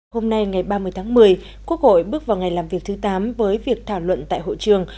hôm nay ngày ba mươi tháng một mươi quốc hội bước vào ngày làm việc thứ tám với việc thảo luận tại hội trường